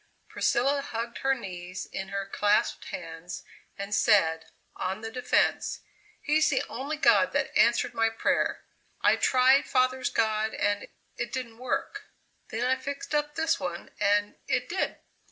Priscilla hugged her knees in her clasped hands, and said, on the defence: "He's the only god that answered my prayer. I tried father's God and it didn't work! Then I fixed up this one, and it did!"